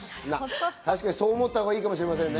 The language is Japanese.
そう思ったほうがいいかもしれませんね。